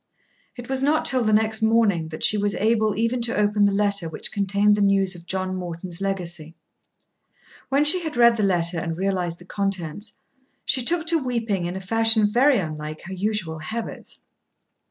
It was not till the next morning that she was able even to open the letter which contained the news of John Morton's legacy. When she had read the letter and realized the contents, she took to weeping in a fashion very unlike her usual habits.